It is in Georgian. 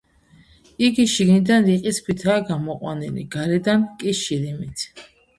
იგი შიგიდან რიყის ქვითაა გამოყვანილი, გარედან კი შირიმით.